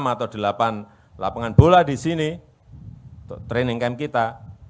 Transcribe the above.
enam atau delapan lapangan bola di sini untuk training camp kita